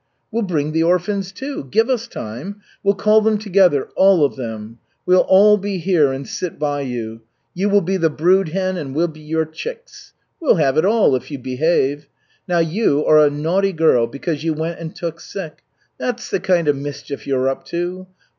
"We'll bring the orphans, too. Give us time. We'll call them together, all of them. We'll all be here and sit by you. You will be the brood hen and we'll be your chicks. We'll have it all, if you behave. Now you are a naughty girl, because you went and took sick. That's the kind of mischief you're up to.